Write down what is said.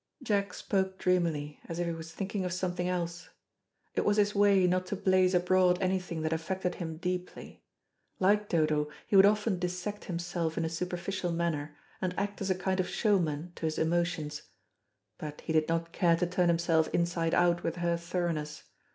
Jack spoke dreamily, as if he was thinking of something else. It was his way not to blaze abroad anything that affected him deeply. Like Dodo he would often dissect himself in a superficial manner, and act as a kind of showman to his emotions; but he did not care to turn himself inside out with her thoroughness.